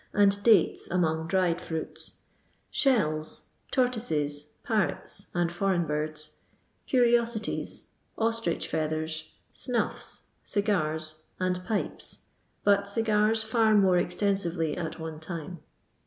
and dates among dried fruits — shells, tortoises, parrots and foreign birds, curiosi ties, ostrich feat hen, snufls, cigars, and pipes; but cigars fiu: more extensively at one time.